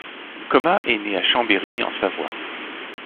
Koma est né à Chambéry, en Savoie.